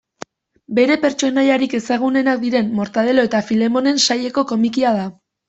Bere pertsonaiarik ezagunenak diren Mortadelo eta Filemonen saileko komikia da.